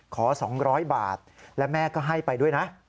ขอ๒๐๐บาทและแม่ก็ให้ไปด้วยนะ